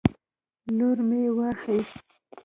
لور مې واخیست